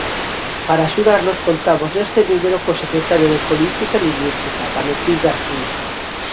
Para axudarnos contamos neste número co secretario de Política Lingüística, Valentín García.